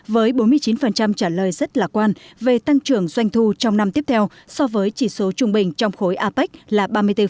với bốn mươi chín trả lời rất lạc quan về tăng trưởng doanh thu trong năm tiếp theo so với chỉ số trung bình trong khối apec là ba mươi bốn